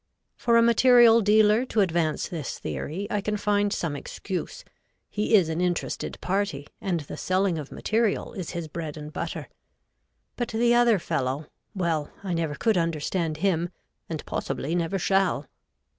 For a material dealer to advance this theory I can find some excuse; he is an interested party, and the selling of material is his bread and butter; but the other fellow, well I never could understand him and possibly never shall.